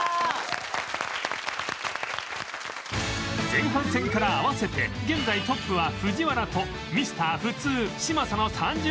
前半戦から合わせて現在トップは藤原と Ｍｒ． 普通嶋佐の３０ポイント